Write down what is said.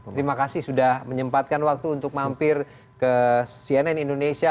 terima kasih sudah menyempatkan waktu untuk mampir ke cnn indonesia